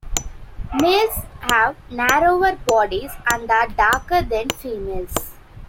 Males have narrower bodies and are darker than females.